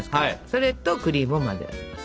それとクリームを混ぜ合わせます。